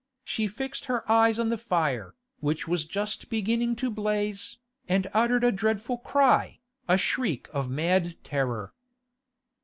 She fixed her eyes on the fire, which was just beginning to blaze, and uttered a dreadful cry, a shriek of mad terror.